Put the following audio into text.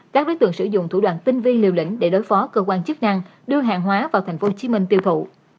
các đối tượng sử dụng thủ đoạn tinh vi liều lĩnh để đối phó cơ quan chức năng đưa hàng hóa vào tp hcm tiêu thụ